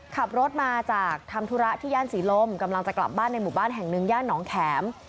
ขับรถมาจากทำธุระที่ย่านศรีลมกำลังจะกลับบ้านในหมู่บ้านแห่งหนึ่งย่านหนองแข็ม